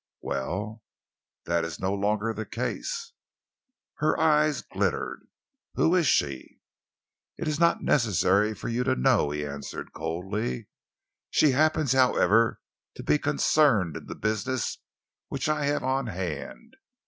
"Well?" "That is no longer the case." Her eyes glittered. "Who is she?" "It is not necessary for you to know," he answered coldly. "She happens, however, to be concerned in the business which I have on hand.